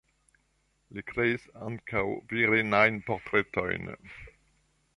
Li kreis ankaŭ virinajn portretojn.